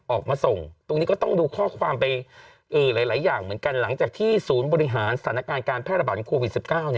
ออกมาส่งตรงนี้ก็ต้องดูข้อความไปหลายอย่างเหมือนกันหลังจากที่ศูนย์บริหารสถานการณ์การแพร่ระบาดโควิด๑๙